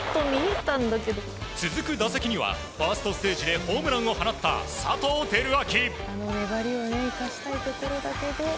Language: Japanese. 続く打席にはファーストステージでホームランを放った佐藤輝明。